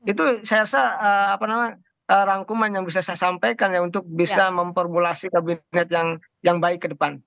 itu saya rasa rangkuman yang bisa saya sampaikan ya untuk bisa memformulasi kabinet yang baik ke depan